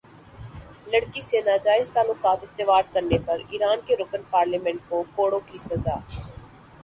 لڑکی سے ناجائز تعلقات استوار کرنے پر ایران کے رکن پارلیمنٹ کو کوڑوں کی سزا